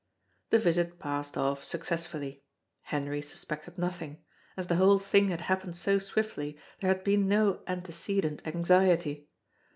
The visit passed off successfully. Henry suspected nothing; as the whole thing had happened so swiftly, there had been no antecedent anxiety.